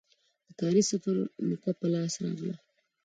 د کاري سفر موکه په لاس راغله.